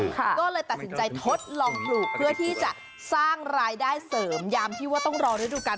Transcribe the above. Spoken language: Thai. ก็เลยตัดสินใจทดลองปลูกเพื่อที่จะสร้างรายได้เสริมยามที่ว่าต้องรอฤดูการ